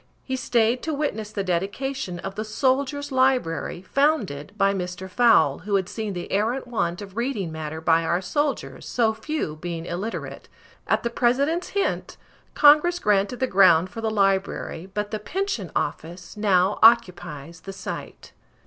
He stayed to witness the dedication of the Soldier's Library, founded by Mr. Fowle, who had seen the arrant want of reading matter by our soldiers so few being illiterate. At the President's hint, Congress granted the ground for the library, but the Pension Office now occupies the site.